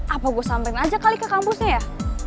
apa gue sampelin aja kali ke kampusnya ya